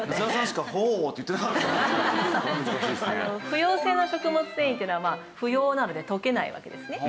不溶性の食物繊維っていうのは不溶なので溶けないわけですね。